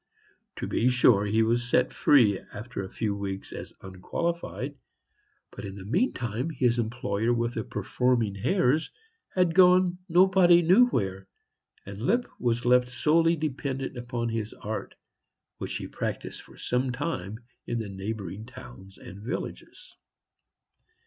To be sure, he was set free again after a few weeks as unqualified; but in the meantime his employer with the performing hares had gone nobody knew where, and Lipp was left solely dependent on his art, which he practised for some time in the neighboring towns and villages.